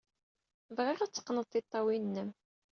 Bɣiɣ ad teqqned tiṭṭawin-nnem.